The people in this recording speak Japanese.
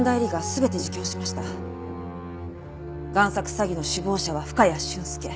詐欺の首謀者は深谷俊介。